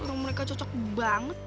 orang mereka cocok banget